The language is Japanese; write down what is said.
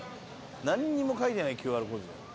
何にも書いてないＱＲコードじゃん。